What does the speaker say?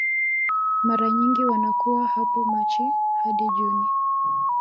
Mara nyingi wanakuwa hapo Machi hadi Juni